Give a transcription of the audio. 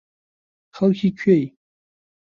خەڵکی کوێی؟